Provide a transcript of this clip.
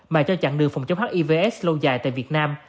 mà cho chặn đường phòng chống hiv s lâu dài tại việt nam